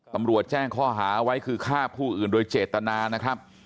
ตำรวจแจ้งข้อหาไว้คือฆ่าผู้อื่นโดยเจตนานะครับ